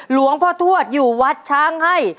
หลวงพ่อทวดอยู่วัดช้างให้